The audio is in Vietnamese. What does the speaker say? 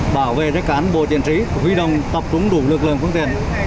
bảo vệ các cán bộ chiến sĩ huy động tập trung đủ lực lượng phương tiện